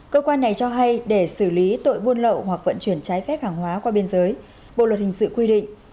cơ quan này cho hay để xử lý tội buôn lậu hoặc vận chuyển trái phép hàng hóa qua biên giới bộ luật hình sự quy định